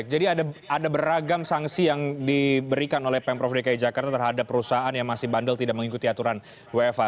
jadi ada beragam sanksi yang diberikan oleh pemprov dki jakarta terhadap perusahaan yang masih bandel tidak mengikuti aturan wfa